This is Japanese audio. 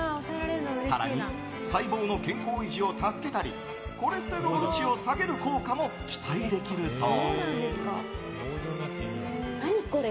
更に細胞の健康維持を助けたりコレステロール値を下げる効果も期待できるそう。